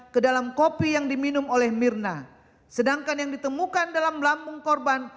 ke dalam kopi yang diminum oleh mirna sedangkan yang ditemukan dalam lambung korban